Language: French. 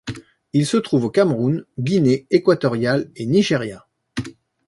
Il se trouve au Cameroun, Guinée équatoriale et Nigéria.